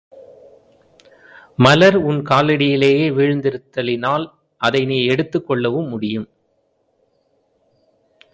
மலர் உன் காலடியிலேயே வீழ்ந்திருத்தலினால் அதை நீ எடுத்துக்கொள்ளவும் முடியும்.